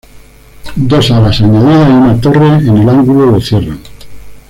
Dos alas añadidas y una torre en el ángulo lo cierran.